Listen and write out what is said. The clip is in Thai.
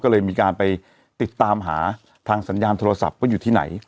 ก็เลยมีการไปติดตามหาทางสัญญาณโทรศัพท์ว่าอยู่ที่ไหน